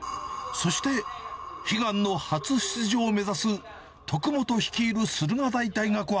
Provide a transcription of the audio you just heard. そして、悲願の初出場を目指す徳本率いる駿河台大学は。